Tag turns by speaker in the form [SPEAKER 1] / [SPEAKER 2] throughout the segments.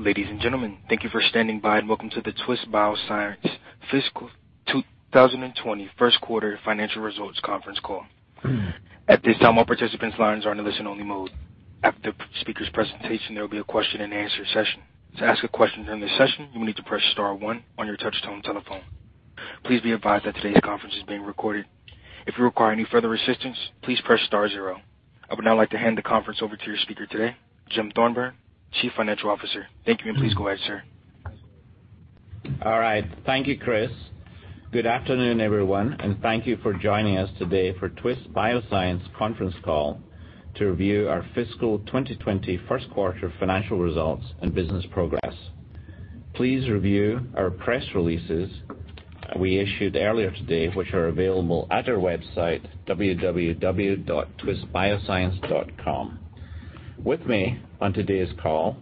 [SPEAKER 1] Ladies and gentlemen, thank you for standing by and welcome to the Twist Bioscience Fiscal 2020 first quarter Financial Results Conference Call. At this time, all participants' lines are in a listen-only mode. After the speaker's presentation, there will be a question-and-answer session. To ask a question during the session, you will need to press star one on your touch-tone telephone. Please be advised that today's conference is being recorded. If you require any further assistance, please press star zero. I would now like to hand the conference over to your speaker today, Jim Thorburn, Chief Financial Officer. Thank you, and please go ahead, sir.
[SPEAKER 2] All right. Thank you, Chris. Good afternoon, everyone. Thank you for joining us today for Twist Bioscience conference call to review our fiscal 2020 first quarter financial results and business progress. Please review our press releases we issued earlier today, which are available at our website, www.twistbioscience.com. With me on today's call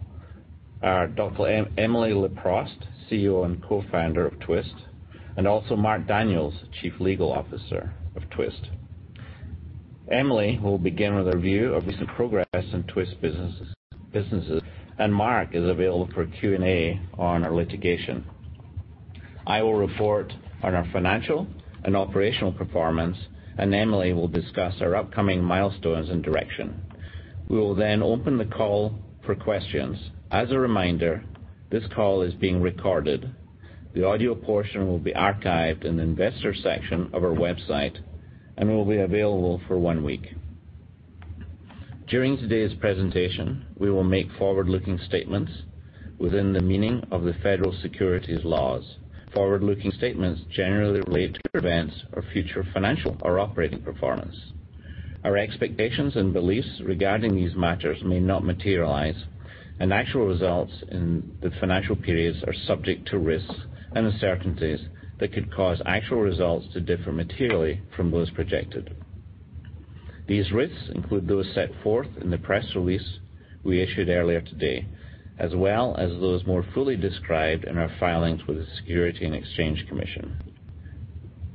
[SPEAKER 2] are Dr. Emily Leproust, CEO and Co-Founder of Twist, and also Mark Daniels, Chief Legal Officer of Twist. Emily will begin with a review of recent progress in Twist businesses. Mark is available for Q&A on our litigation. I will report on our financial and operational performance. Emily will discuss our upcoming milestones and direction. We will open the call for questions. As a reminder, this call is being recorded. The audio portion will be archived in the investor section of our website and will be available for one week. During today's presentation, we will make forward-looking statements within the meaning of the federal securities laws. Forward-looking statements generally relate to events or future financial or operating performance. Our expectations and beliefs regarding these matters may not materialize, and actual results in the financial periods are subject to risks and uncertainties that could cause actual results to differ materially from those projected. These risks include those set forth in the press release we issued earlier today, as well as those more fully described in our filings with the Securities and Exchange Commission.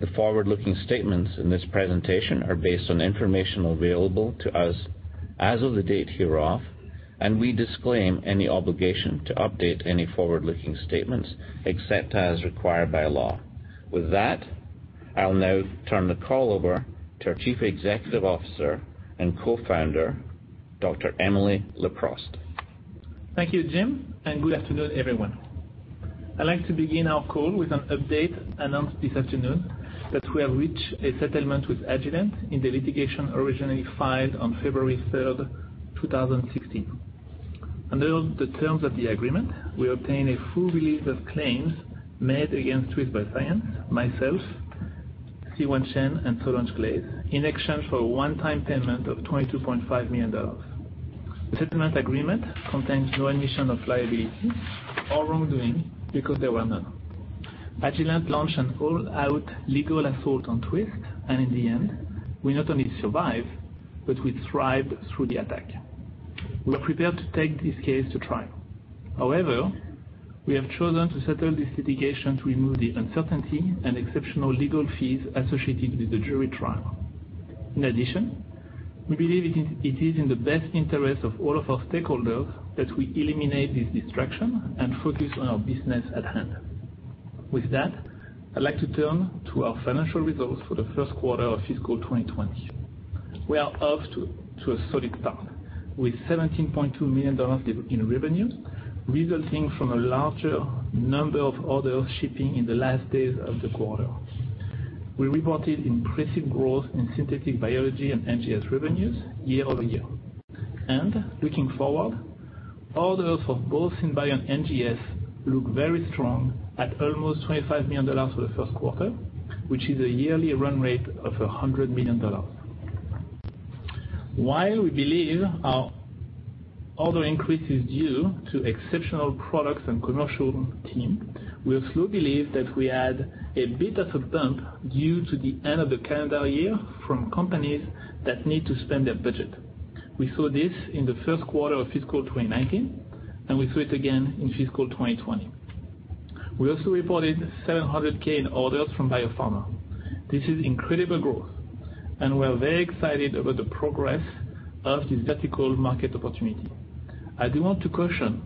[SPEAKER 2] The forward-looking statements in this presentation are based on information available to us as of the date hereof, and we disclaim any obligation to update any forward-looking statements except as required by law. With that, I'll now turn the call over to our Chief Executive Officer and co-founder, Dr. Emily Leproust.
[SPEAKER 3] Thank you, Jim, and good afternoon, everyone. I'd like to begin our call with an update announced this afternoon that we have reached a settlement with Agilent in the litigation originally filed on February 3rd, 2016. Under the terms of the agreement, we obtain a full release of claims made against Twist Bioscience, myself, Siyuan Chen, and Solange Glaize, in exchange for a one-time payment of $22.5 million. The settlement agreement contains no admission of liability or wrongdoing because there were none. Agilent launched an all-out legal assault on Twist, and in the end, we not only survived, but we thrived through the attack. We were prepared to take this case to trial. However, we have chosen to settle this litigation to remove the uncertainty and exceptional legal fees associated with the jury trial. In addition, we believe it is in the best interest of all of our stakeholders that we eliminate this distraction and focus on our business at hand. With that, I'd like to turn to our financial results for the first quarter of fiscal 2020. We are off to a solid start, with $17.2 million in revenue, resulting from a larger number of orders shipping in the last days of the quarter. We reported impressive growth in Synthetic Biology and NGS revenues year-over-year. Looking forward, orders for both SynBio and NGS look very strong at almost $25 million for the first quarter, which is a yearly run rate of $100 million. While we believe our order increase is due to exceptional products and commercial team, we also believe that we had a bit of a bump due to the end of the calendar year from companies that need to spend their budget. We saw this in the first quarter of fiscal 2019, and we saw it again in fiscal 2020. We also reported $700,000 in orders from biopharma. This is incredible growth, and we are very excited about the progress of this vertical market opportunity. I do want to caution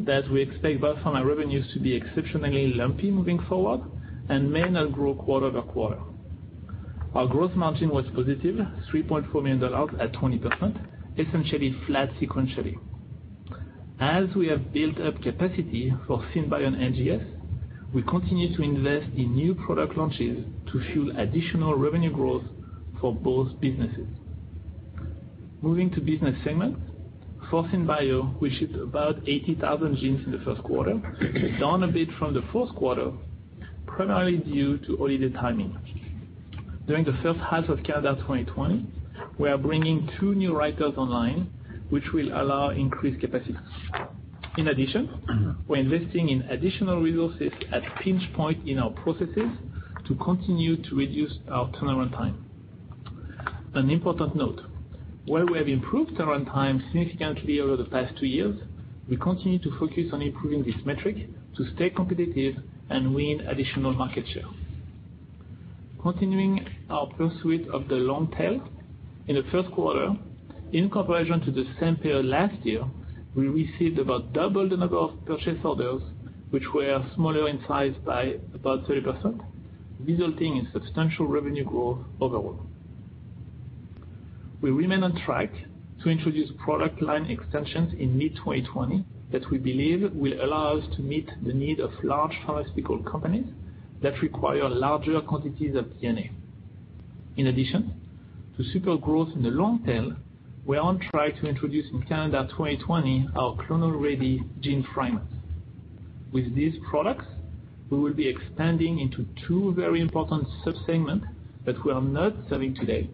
[SPEAKER 3] that we expect biopharma revenues to be exceptionally lumpy moving forward and may not grow quarter-over-quarter. Our gross margin was positive, $3.4 million at 20%, essentially flat sequentially. As we have built up capacity for SynBio and NGS, we continue to invest in new product launches to fuel additional revenue growth for both businesses. Moving to business segments, for SynBio, we shipped about 80,000 genes in the first quarter, down a bit from the fourth quarter, primarily due to holiday timing. During the first half of calendar 2020, we are bringing two new writers online, which will allow increased capacity. We're investing in additional resources at pinch point in our processes to continue to reduce our turnaround time. An important note, while we have improved turnaround time significantly over the past two years, we continue to focus on improving this metric to stay competitive and win additional market share. Continuing our pursuit of the long tail in the first quarter, in comparison to the same period last year, we received about double the number of purchase orders, which were smaller in size by about 30%, resulting in substantial revenue growth overall. We remain on track to introduce product line extensions in mid-2020 that we believe will allow us to meet the needs of large pharmaceutical companies that require larger quantities of DNA. In addition to super growth in the long tail, we are on track to introduce in calendar 2020 our Clonal-ready gene fragments. With these products, we will be expanding into two very important sub-segments that we are not serving today.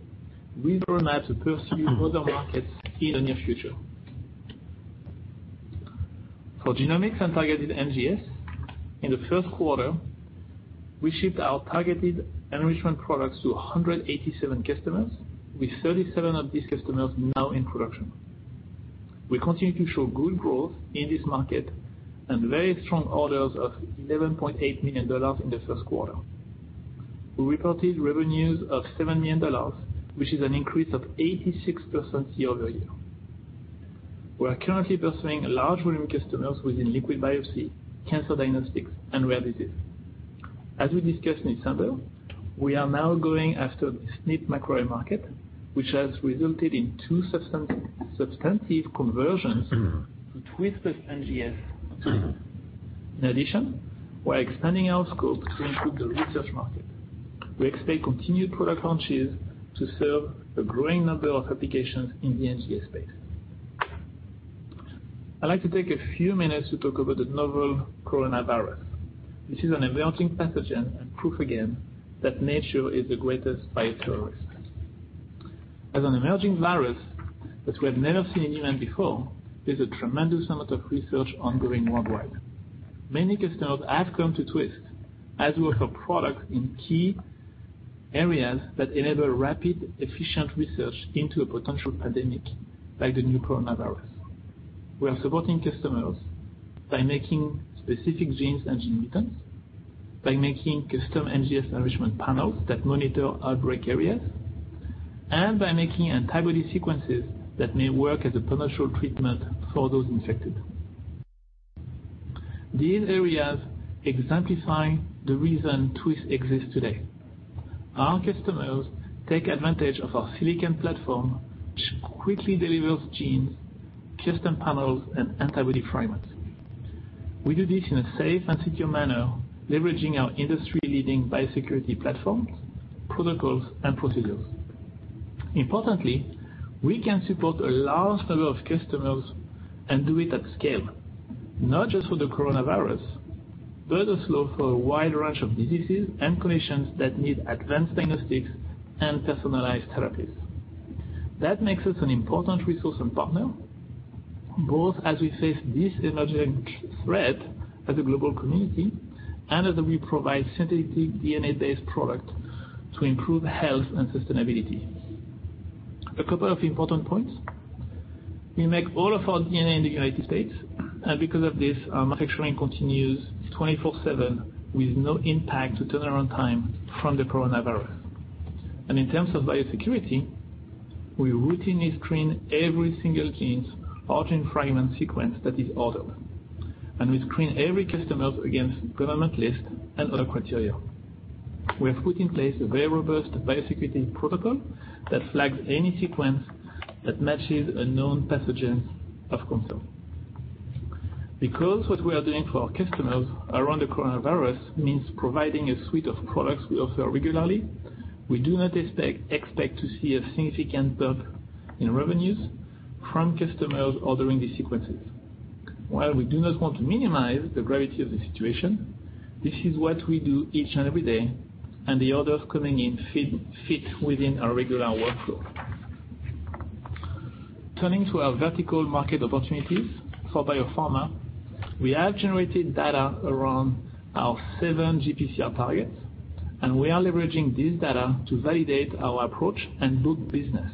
[SPEAKER 3] We will now pursue other markets in the near future. For genomics and targeted NGS, in the first quarter, we shipped our targeted enrichment products to 187 customers, with 37 of these customers now in production. We continue to show good growth in this market and very strong orders of $11.8 million in the first quarter. We reported revenues of $7 million, which is an increase of 86% year-over-year. We are currently pursuing large volume customers within liquid biopsy, cancer diagnostics, and rare disease. As we discussed in December, we are now going after the SNP microarray market, which has resulted in two substantive conversions to Twist NGS. We're expanding our scope to include the research market. We expect continued product launches to serve the growing number of applications in the NGS space. I'd like to take a few minutes to talk about the novel coronavirus. This is an emerging pathogen and proof again that nature is the greatest bio-terrorist. As an emerging virus that we have never seen in humans before, there's a tremendous amount of research ongoing worldwide. Many customers have come to Twist as we offer products in key areas that enable rapid, efficient research into a potential pandemic like the new coronavirus. We are supporting customers by making specific genes and gene mutants, by making custom NGS enrichment panels that monitor outbreak areas, and by making antibody sequences that may work as a potential treatment for those infected. These areas exemplify the reason Twist exists today. Our customers take advantage of our silicon platform, which quickly delivers genes, custom panels, and antibody fragments. We do this in a safe and secure manner, leveraging our industry-leading biosecurity platforms, protocols, and procedures. Importantly, we can support a large number of customers and do it at scale, not just for the coronavirus, but also for a wide range of diseases and conditions that need advanced diagnostics and personalized therapies. That makes us an important resource and partner, both as we face this emerging threat as a global community and as we provide synthetic DNA-based product to improve health and sustainability. A couple of important points. We make all of our DNA in the U.S., and because of this, our manufacturing continues 24/7 with no impact to turnaround time from the coronavirus. In terms of biosecurity, we routinely screen every single gene or gene fragment sequence that is ordered, and we screen every customer against government lists and other criteria. We have put in place a very robust biosecurity protocol that flags any sequence that matches a known pathogen of concern. Because what we are doing for our customers around the coronavirus means providing a suite of products we offer regularly, we do not expect to see a significant bump in revenues from customers ordering these sequences. While we do not want to minimize the gravity of the situation, this is what we do each and every day, and the orders coming in fit within our regular workflow. Turning to our vertical market opportunities for biopharma, we have generated data around our seven GPCR targets, and we are leveraging this data to validate our approach and book business,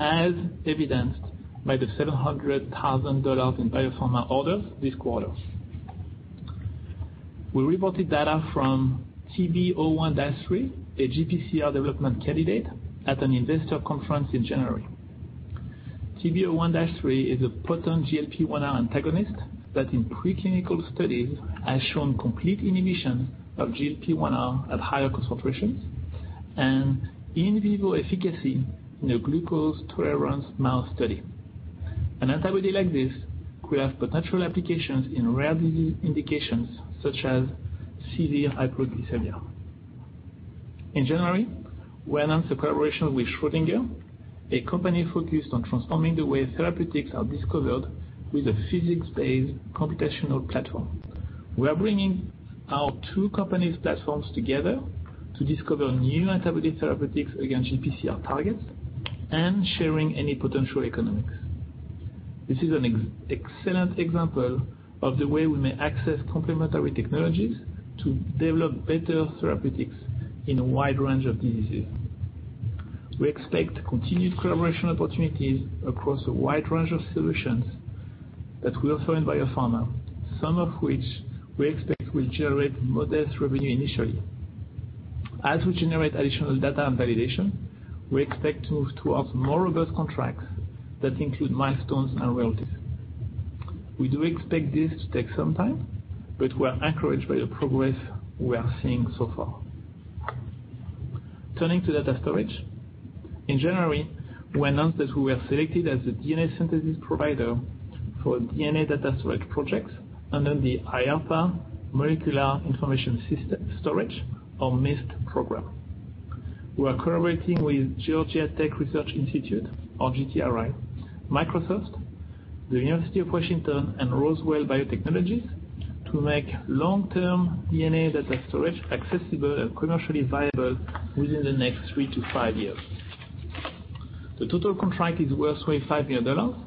[SPEAKER 3] as evidenced by the $700,000 in biopharma orders this quarter. We reported data from TB01-3, a GPCR development candidate, at an investor conference in January. TB01-3 is a potent GLP-1R antagonist that in pre-clinical studies has shown complete inhibition of GLP-1R at higher concentrations and in vivo efficacy in a glucose tolerance mouse study. An antibody like this could have potential applications in rare disease indications such as severe hypoglycemia. In January, we announced a collaboration with Schrödinger, a company focused on transforming the way therapeutics are discovered with a physics-based computational platform. We are bringing our two companies' platforms together to discover new antibody therapeutics against GPCR targets and sharing any potential economics. This is an excellent example of the way we may access complementary technologies to develop better therapeutics in a wide range of diseases. We expect continued collaboration opportunities across a wide range of solutions that we offer in Biopharma, some of which we expect will generate modest revenue initially. As we generate additional data and validation, we expect to move towards more robust contracts that include milestones and royalties. We do expect this to take some time, but we're encouraged by the progress we are seeing so far. Turning to data storage. In January, we announced that we were selected as the DNA synthesis provider for DNA data storage projects under the IARPA Molecular Information Storage, or MIST program. We are collaborating with Georgia Tech Research Institute, or GTRI, Microsoft, the University of Washington, and Roswell Biotechnologies to make long-term DNA data storage accessible and commercially viable within the next three to five years. The total contract is worth $25 million,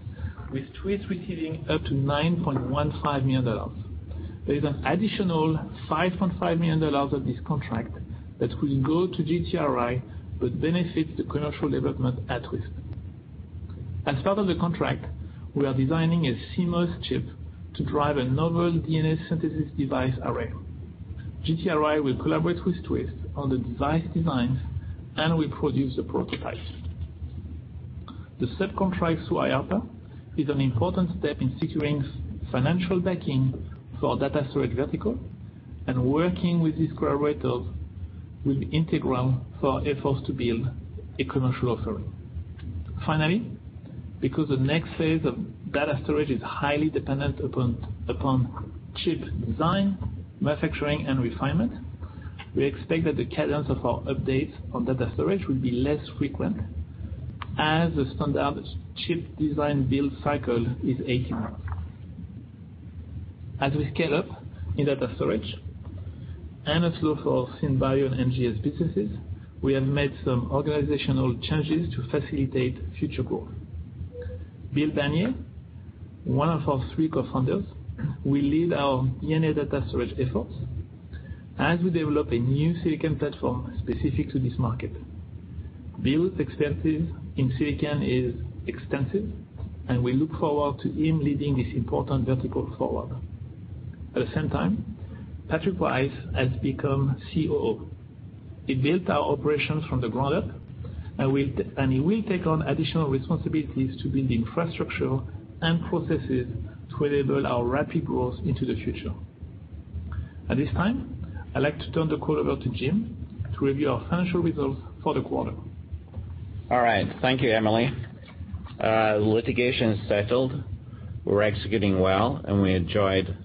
[SPEAKER 3] with Twist receiving up to $9.15 million. There is an additional $5.5 million of this contract that will go to GTRI, but benefit the commercial development at Twist. As part of the contract, we are designing a CMOS chip to drive a novel DNA synthesis device array. GTRI will collaborate with Twist on the device designs and will produce a prototype. The subcontract through IARPA is an important step in securing financial backing for our data storage vertical, and working with these collaborators will be integral for our efforts to build a commercial offering. Because the next phase of data storage is highly dependent upon chip design, manufacturing, and refinement, we expect that the cadence of our updates on data storage will be less frequent as the standard chip design build cycle is 18 months. As we scale up in data storage and also for SynBio and NGS businesses, we have made some organizational changes to facilitate future growth. Bill Banyai, one of our three co-founders, will lead our DNA data storage efforts as we develop a new silicon platform specific to this market. Bill's experience in silicon is extensive, and we look forward to him leading this important vertical forward. At the same time, Patrick Rice has become COO. He built our operations from the ground up, and he will take on additional responsibilities to build the infrastructure and processes to enable our rapid growth into the future. At this time, I'd like to turn the call over to Jim to review our financial results for the quarter.
[SPEAKER 2] All right. Thank you, Emily. Litigation is settled, we're executing well, and we enjoyed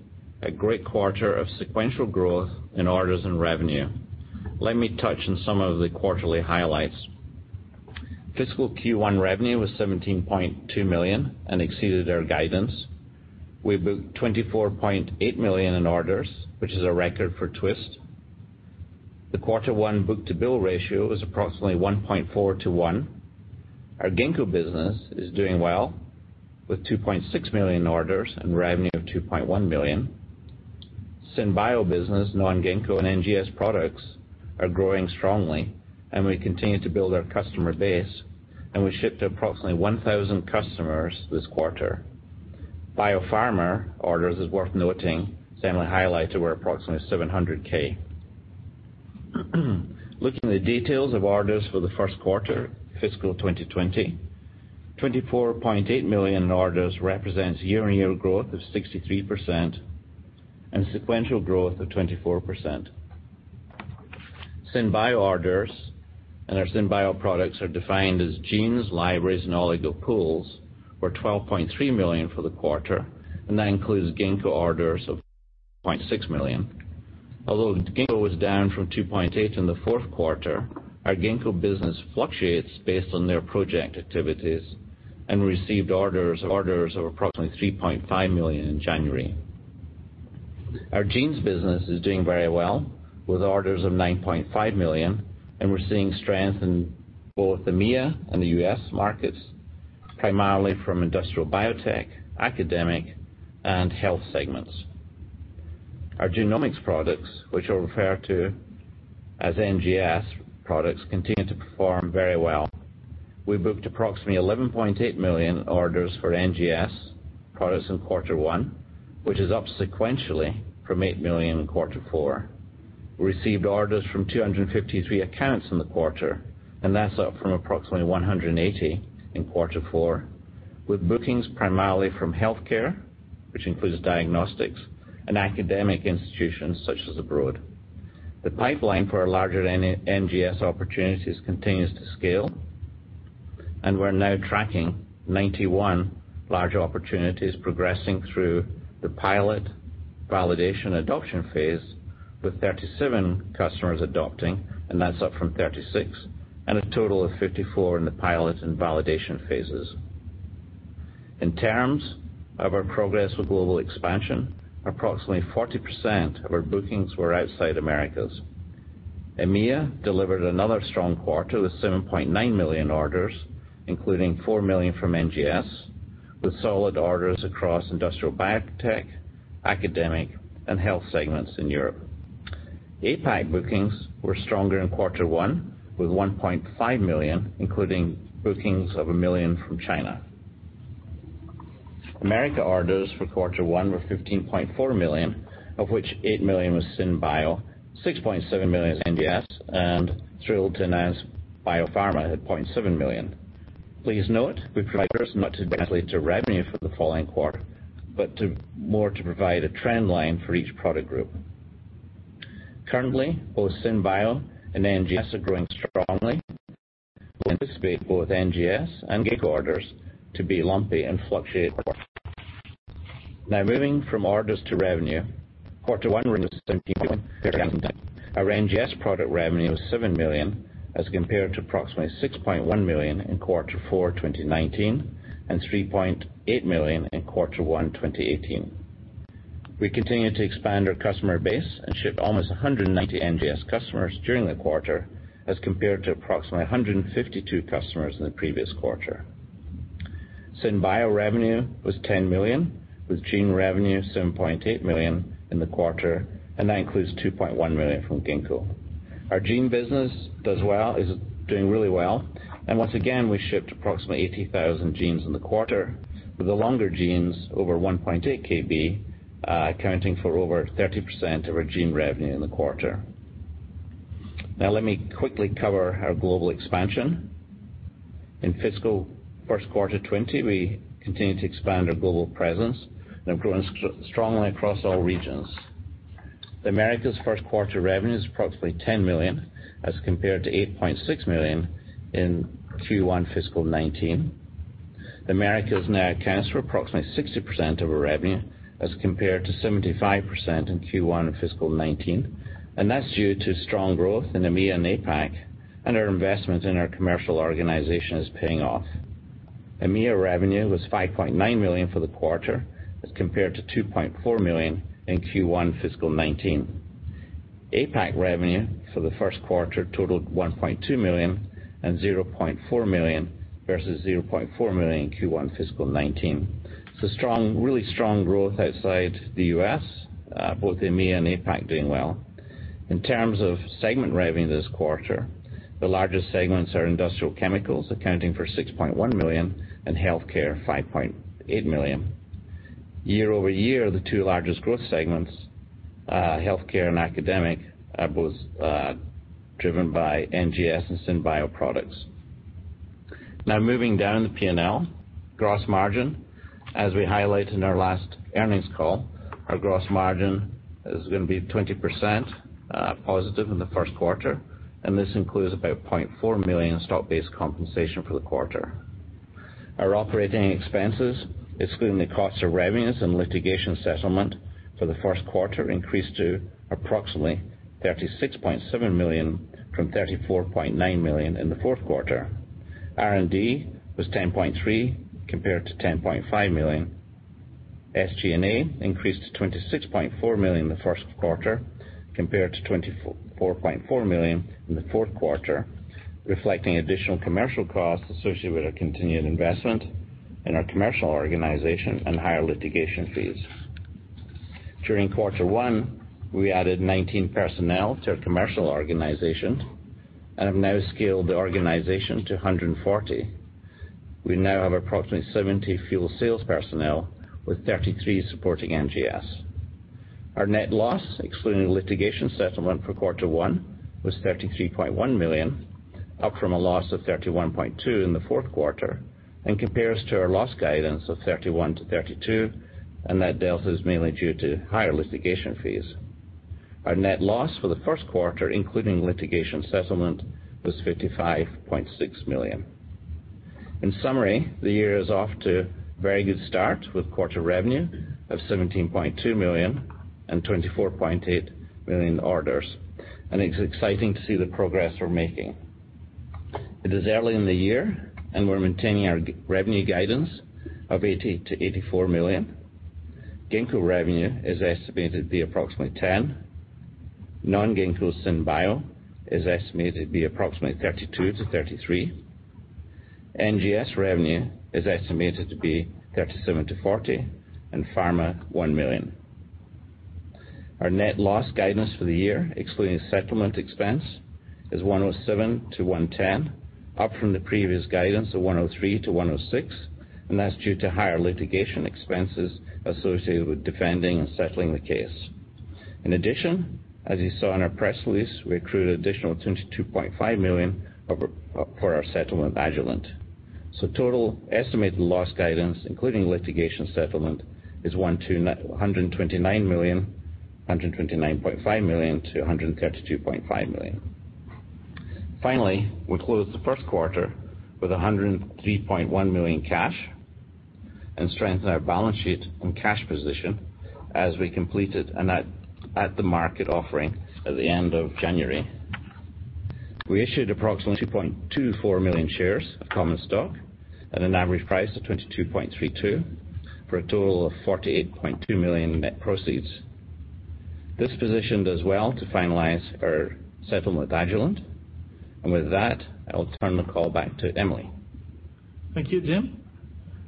[SPEAKER 2] a great quarter of sequential growth in orders and revenue. Let me touch on some of the quarterly highlights. Fiscal Q1 revenue was $17.2 million and exceeded our guidance. We booked $24.8 million in orders, which is a record for Twist. The quarter one book-to-bill ratio was approximately 1.4:1. Our Ginkgo business is doing well with $2.6 million in orders and revenue of $2.1 million. SynBio business, non-Ginkgo and NGS products are growing strongly, and we continue to build our customer base, and we shipped to approximately 1,000 customers this quarter. Biopharma orders is worth noting, as Emily highlighted, were approximately $700K. Looking at the details of orders for the first quarter, fiscal 2020, $24.8 million in orders represents year-on-year growth of 63% and sequential growth of 24%. SynBio orders and our SynBio products are defined as genes, libraries, and oligo pools were $12.3 million for the quarter, and that includes Ginkgo orders of $2.6 million. Although Ginkgo was down from $2.8 in the fourth quarter, our Ginkgo business fluctuates based on their project activities and received orders of approximately $3.5 million in January. Our genes business is doing very well with orders of $9.5 million, and we're seeing strength in both the EMEA and the U.S. markets, primarily from industrial biotech, academic, and health segments. Our genomics products, which I'll refer to as NGS products, continue to perform very well. We booked approximately $11.8 million orders for NGS products in quarter one, which is up sequentially from $8 million in quarter four. We received orders from 253 accounts in the quarter, and that's up from approximately 180 in quarter four, with bookings primarily from healthcare, which includes diagnostics and academic institutions such as abroad. The pipeline for our larger NGS opportunities continues to scale, and we're now tracking 91 large opportunities progressing through the pilot validation adoption phase with 37 customers adopting, and that's up from 36, and a total of 54 in the pilot and validation phases. In terms of our progress with global expansion, approximately 40% of our bookings were outside Americas. EMEA delivered another strong quarter with $7.9 million orders, including $4 million from NGS, with solid orders across industrial biotech, academic, and health segments in Europe. APAC bookings were stronger in quarter one, with $1.5 million, including bookings of $1 million from China. America orders for quarter one were $15.4 million, of which $8 million was SynBio, $6.7 million was NGS, and thrilled to announce BioPharma at $0.7 million. Please note, we provide this not to translate to revenue for the following quarter, but more to provide a trend line for each product group. Currently, both SynBio and NGS are growing strongly. We anticipate both NGS and orders to be lumpy and fluctuate. Moving from orders to revenue, quarter one revenue was. Our NGS product revenue was $7 million, as compared to approximately $6.1 million in quarter four 2019, and $3.8 million in quarter one 2018. We continue to expand our customer base and ship almost 190 NGS customers during the quarter, as compared to approximately 152 customers in the previous quarter. SynBio revenue was $10 million, with gene revenue $7.8 million in the quarter, and that includes $2.1 million from Ginkgo. Our gene business is doing really well. Once again, we shipped approximately 80,000 genes in the quarter, with the longer genes over 1.8 KB, accounting for over 30% of our gene revenue in the quarter. Now, let me quickly cover our global expansion. In fiscal first quarter 2020, we continued to expand our global presence and are growing strongly across all regions. The Americas first quarter revenue is approximately $10 million, as compared to $8.6 million in Q1 fiscal 2019. The Americas now accounts for approximately 60% of our revenue, as compared to 75% in Q1 of fiscal 2019, and that's due to strong growth in EMEA and APAC, and our investment in our commercial organization is paying off. EMEA revenue was $5.9 million for the quarter, as compared to $2.4 million in Q1 fiscal 2019. APAC revenue for the first quarter totaled $1.2 million and $0.4 million, versus $0.4 million in Q1 fiscal 2019. Really strong growth outside the U.S., both EMEA and APAC doing well. In terms of segment revenue this quarter, the largest segments are industrial chemicals, accounting for $6.1 million, and healthcare, $5.8 million. Year-over-year, the two largest growth segments, healthcare and academic, are both driven by NGS and SynBio products. Moving down the P&L, gross margin. As we highlighted in our last earnings call, our gross margin is going to be 20% positive in the first quarter, and this includes about $0.4 million in stock-based compensation for the quarter. Our operating expenses, excluding the cost of revenues and litigation settlement for the first quarter, increased to approximately $36.7 million from $34.9 million in the fourth quarter. R&D was $10.3 million compared to $10.5 million. SG&A increased to $26.4 million in the first quarter compared to $24.4 million in the fourth quarter, reflecting additional commercial costs associated with our continued investment in our commercial organization and higher litigation fees. During quarter one, we added 19 personnel to our commercial organization and have now scaled the organization to 140. We now have approximately 70 field sales personnel, with 33 supporting NGS. Our net loss, excluding litigation settlement for quarter one, was $33.1 million, up from a loss of $31.2 million in the fourth quarter, and compares to our loss guidance of $31 million-$32 million. That delta is mainly due to higher litigation fees. Our net loss for the first quarter, including litigation settlement, was $55.6 million. In summary, the year is off to a very good start with quarter revenue of $17.2 million and $24.8 million in orders, and it's exciting to see the progress we're making. It is early in the year and we're maintaining our revenue guidance of $80 million-$84 million. Ginkgo revenue is estimated to be approximately $10 million. Non-Ginkgo SynBio is estimated to be approximately $32 million-$33 million. NGS revenue is estimated to be $37 million-$40 million, and pharma, $1 million. Our net loss guidance for the year, excluding settlement expense, is $107 million-$110 million, up from the previous guidance of $103 million-$106 million, and that's due to higher litigation expenses associated with defending and settling the case. In addition, as you saw in our press release, we accrued an additional $22.5 million for our settlement with Agilent. Total estimated loss guidance, including litigation settlement, is $129.5 million-$132.5 million. Finally, we closed the first quarter with $103.1 million cash and strengthened our balance sheet and cash position as we completed at-the-market offering at the end of January. We issued approximately 2.24 million shares of common stock at an average price of $22.32 for a total of $48.2 million net proceeds. This positioned us well to finalize our settlement with Agilent. With that, I will turn the call back to Emily.
[SPEAKER 3] Thank you, Jim.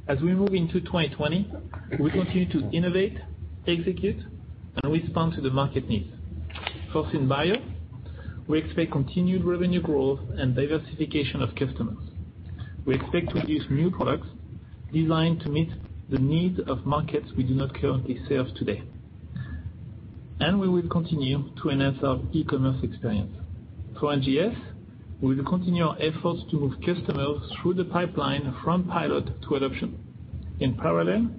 [SPEAKER 3] As we move into 2020, we continue to innovate, execute, and respond to the market needs. First, in Bio, we expect continued revenue growth and diversification of customers. We expect to introduce new products designed to meet the needs of markets we do not currently serve today. We will continue to enhance our e-commerce experience. For NGS, we will continue our efforts to move customers through the pipeline from pilot to adoption. In parallel,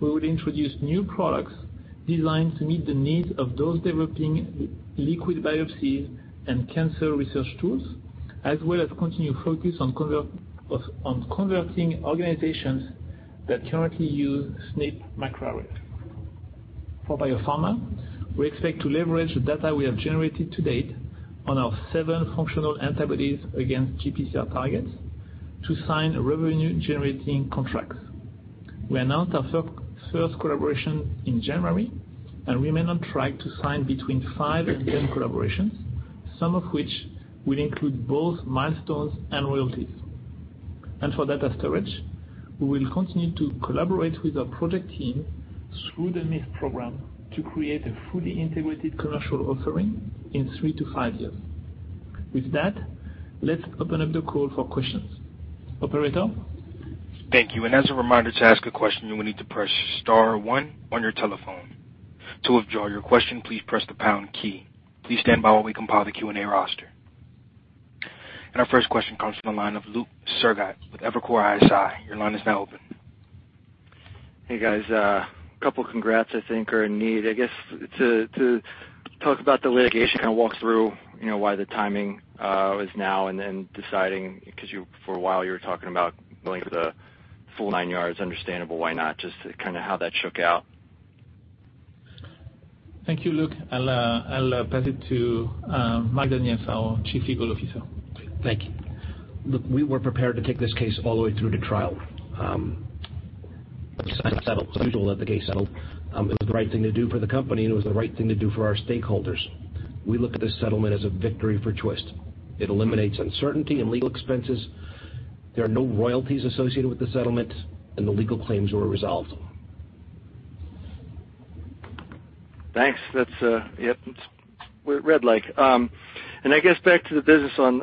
[SPEAKER 3] we will introduce new products designed to meet the needs of those developing liquid biopsies and cancer research tools, as well as continue focus on converting organizations that currently use SNP microarray. For Biopharma, we expect to leverage the data we have generated to date on our seven functional antibodies against GPCR targets to sign revenue-generating contracts. We announced our first collaboration in January, and we may now try to sign between five and 10 collaborations, some of which will include both milestones and royalties. For data storage, we will continue to collaborate with our project team through the MIST program to create a fully integrated commercial offering in three to five years. With that, let's open up the call for questions. Operator?
[SPEAKER 1] Thank you. As a reminder, to ask a question, you will need to press star one on your telephone. To withdraw your question, please press the pound key. Please stand by while we compile the Q&A roster. Our first question comes from the line of Luke Sergott with Evercore ISI. Your line is now open.
[SPEAKER 4] Hey, guys. A couple of congrats, I think, are in need. I guess, to talk about the litigation, kind of walk through why the timing is now and then deciding, because for a while, you were talking about going the full nine yards. Understandable why not. Just kind of how that shook out.
[SPEAKER 3] Thank you, Luke. I'll pass it to Mark Daniels, our Chief Legal Officer.
[SPEAKER 5] Thank you. Look, we were prepared to take this case all the way through to trial. We decided to settle. It's usual that the case settled. It was the right thing to do for the company, and it was the right thing to do for our stakeholders. We look at this settlement as a victory for Twist. It eliminates uncertainty and legal expenses. There are no royalties associated with the settlement, and the legal claims were resolved.
[SPEAKER 4] Thanks. That's it. We're red-like. I guess back to the business. I'm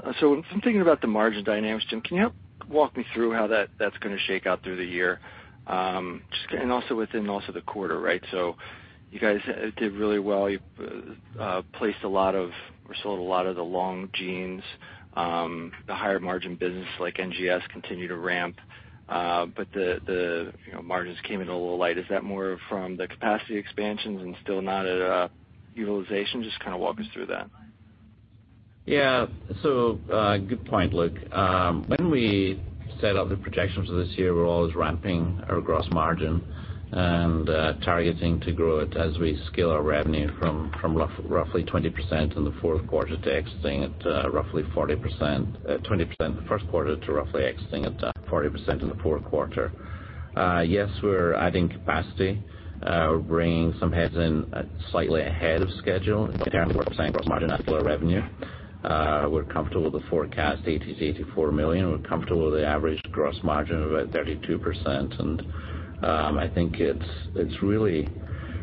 [SPEAKER 4] thinking about the margin dynamics, Jim. Can you walk me through how that's going to shake out through the year? Also within the quarter, right? You guys did really well. You sold a lot of the long genes. The higher margin business like NGS continue to ramp. The margins came in a little light. Is that more from the capacity expansions and still not at utilization? Just kind of walk us through that.
[SPEAKER 2] Yeah. Good point, Luke. When we set up the projections for this year, we're always ramping our gross margin and targeting to grow it as we scale our revenue from roughly 20% in the fourth quarter to exiting at roughly 20% in the first quarter to roughly exiting at 40% in the fourth quarter. Yes, we're adding capacity. We're bringing some heads in slightly ahead of schedule. If you compare 40% gross margin at lower revenue, we're comfortable with the forecast $80 million-$84 million. We're comfortable with the averaged gross margin of about 32%. I think it's really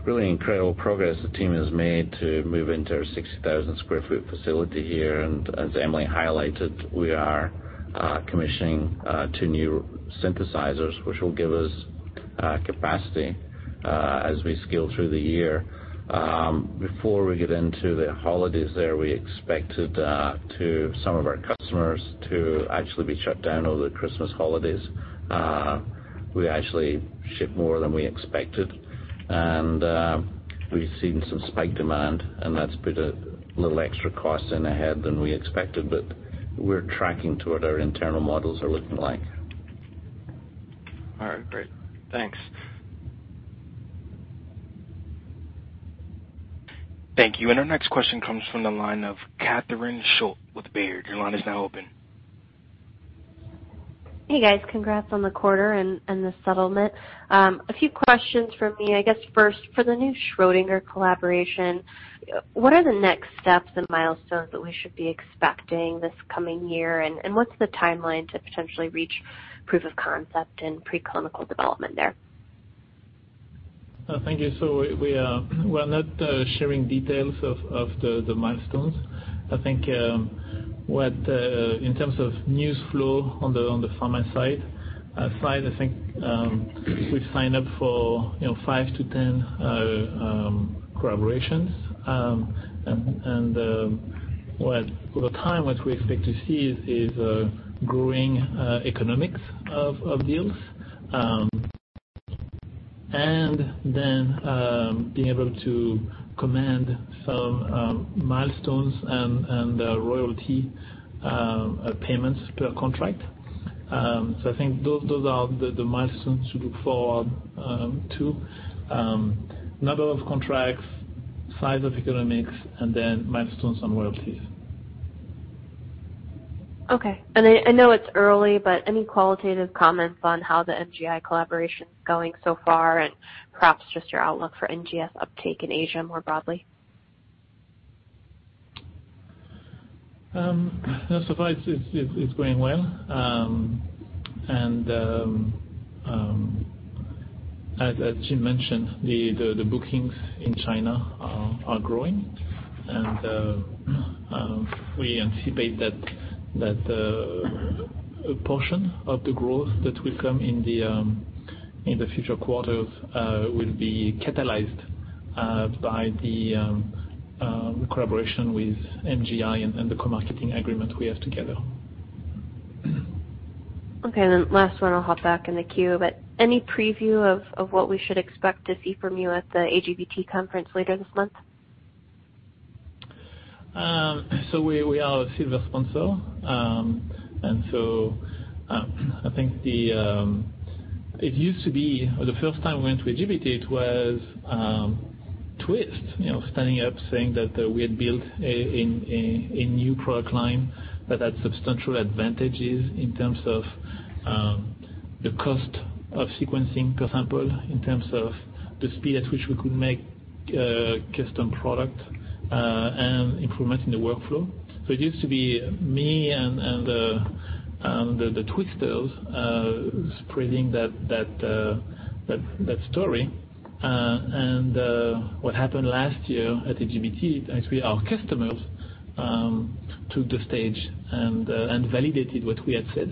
[SPEAKER 2] incredible progress the team has made to move into our 60,000 sq ft facility here. As Emily highlighted, we are commissioning two new synthesizers, which will give us capacity as we scale through the year. Before we get into the holidays there, we expected some of our customers to actually be shut down over the Christmas holidays. We actually shipped more than we expected, and we've seen some spike demand, and that's put a little extra cost in ahead than we expected, but we're tracking to what our internal models are looking like.
[SPEAKER 4] All right, great. Thanks.
[SPEAKER 1] Thank you. Our next question comes from the line of Catherine Schulte with Baird. Your line is now open.
[SPEAKER 6] Hey, guys. Congrats on the quarter and the settlement. A few questions from me. I guess first, for the new Schrödinger collaboration, what are the next steps and milestones that we should be expecting this coming year, and what's the timeline to potentially reach proof of concept in preclinical development there?
[SPEAKER 3] Thank you. We are not sharing details of the milestones. I think in terms of news flow on the pharma side, I think we've signed up for 5-10 collaborations. Over time, what we expect to see is growing economics of deals, and then being able to command some milestones and royalty payments per contract. I think those are the milestones to look forward to. Number of contracts, size of economics, and then milestones and royalties.
[SPEAKER 6] Okay. I know it's early, but any qualitative comments on how the MGI collaboration's going so far, and perhaps just your outlook for NGS uptake in Asia more broadly?
[SPEAKER 3] So far it's going well. As Jim mentioned, the bookings in China are growing, we anticipate that a portion of the growth that will come in the future quarters will be catalyzed by the collaboration with MGI and the co-marketing agreement we have together.
[SPEAKER 6] Okay, last one, I'll hop back in the queue. Any preview of what we should expect to see from you at the AGBT conference later this month?
[SPEAKER 3] We are a silver sponsor. I think it used to be, or the first time we went to AGBT, it was Twist standing up, saying that we had built a new product line that had substantial advantages in terms of the cost of sequencing per sample, in terms of the speed at which we could make a custom product, and improvements in the workflow. It used to be me and the Twisters spreading that story. What happened last year at AGBT, actually, our customers took the stage and validated what we had said.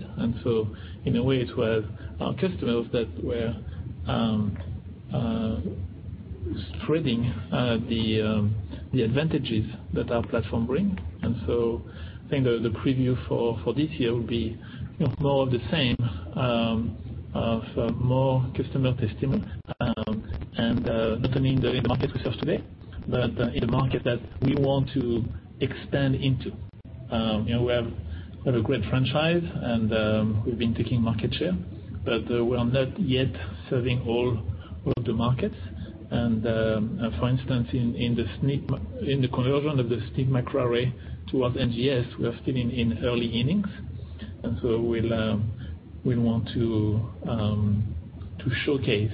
[SPEAKER 3] In a way, it was our customers that were spreading the advantages that our platform bring. I think the preview for this year will be more of the same, of more customer testimony, not only in the market we serve today, but in the market that we want to expand into. We have a great franchise, and we've been taking market share, but we are not yet serving all of the markets. For instance, in the conversion of the SNP microarray towards NGS, we are still in early innings. We'll want to showcase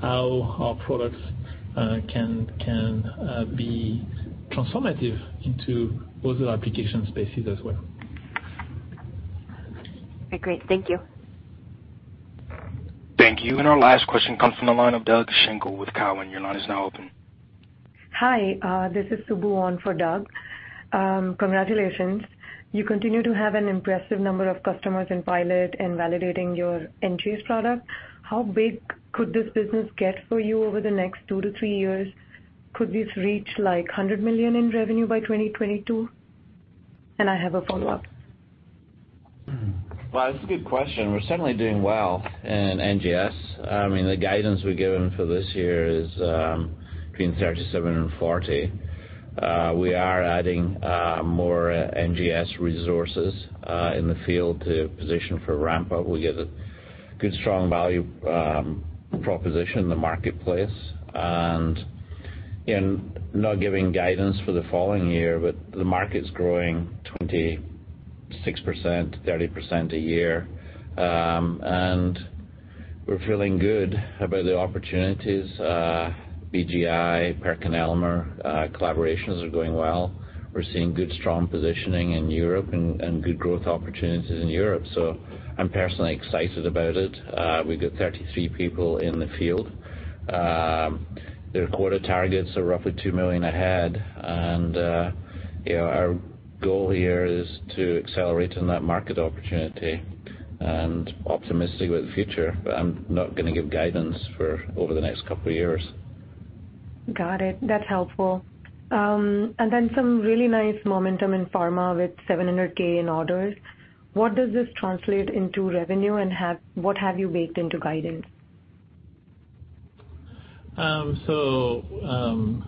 [SPEAKER 3] how our products can be transformative into those application spaces as well.
[SPEAKER 6] Okay, great. Thank you.
[SPEAKER 1] Thank you. Our last question comes from the line of Doug Schenkel with Cowen. Your line is now open.
[SPEAKER 7] Hi, this is Subbu on for Doug. Congratulations. You continue to have an impressive number of customers in pilot and validating your NGS product. How big could this business get for you over the next two to three years? Could this reach like $100 million in revenue by 2022? I have a follow-up.
[SPEAKER 2] Well, that's a good question. We're certainly doing well in NGS. I mean, the guidance we've given for this year is between 37 and 40. We are adding more NGS resources in the field to position for ramp-up. We give a good, strong value proposition in the marketplace. Not giving guidance for the following year, but the market's growing 26%, 30% a year. BGI, PerkinElmer collaborations are going well. We're seeing good, strong positioning in Europe and good growth opportunities in Europe, so I'm personally excited about it. We've got 33 people in the field. Their quarter targets are roughly $2 million ahead, and our goal here is to accelerate on that market opportunity and optimistic about the future, but I'm not going to give guidance for over the next couple of years.
[SPEAKER 7] Got it. That's helpful. Some really nice momentum in pharma with $700K in orders. What does this translate into revenue, and what have you baked into guidance?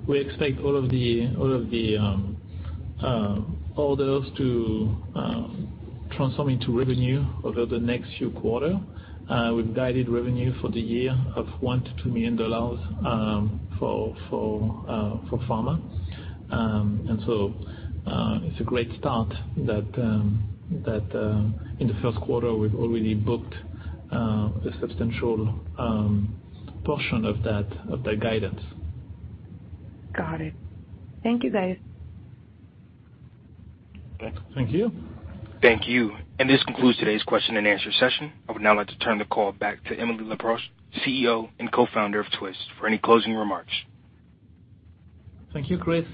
[SPEAKER 3] We expect all of the orders to transform into revenue over the next few quarters. We've guided revenue for the year of $1 million-$2 million for pharma. It's a great start that in the first quarter, we've already booked a substantial portion of that guidance.
[SPEAKER 7] Got it. Thank you, guys.
[SPEAKER 3] Okay. Thank you.
[SPEAKER 1] Thank you. This concludes today's question and answer session. I would now like to turn the call back to Emily Leproust, CEO and Co-Founder of Twist, for any closing remarks.
[SPEAKER 3] Thank you, Chris.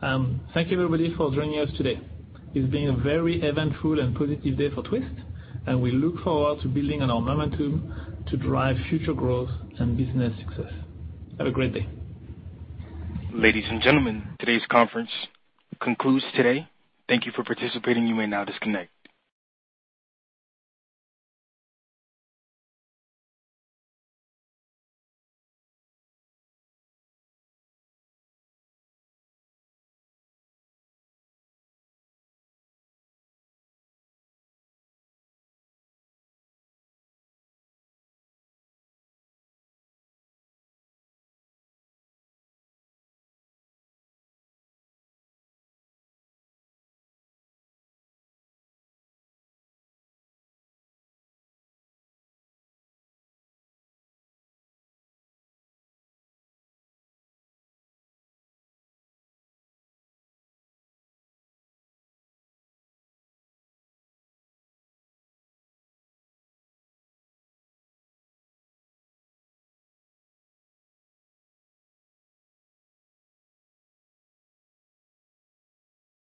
[SPEAKER 3] Thank you, everybody, for joining us today. It's been a very eventful and positive day for Twist, and we look forward to building on our momentum to drive future growth and business success. Have a great day.
[SPEAKER 1] Ladies and gentlemen, today's conference concludes today. Thank you for participating. You may now disconnect.